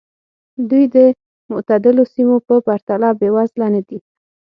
دوی د معتدلو سیمو په پرتله بېوزله نه دي.